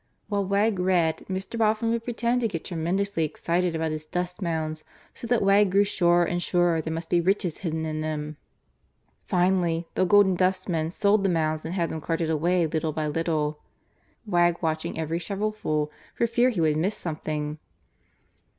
While Wegg read, Mr. Boffin would pretend to get tremendously excited about his dust mounds, so that Wegg grew surer and surer there must be riches hidden in them. Finally The Golden Dustman sold the mounds and had them carted away little by little, Wegg watching every shovelful for fear he would miss something.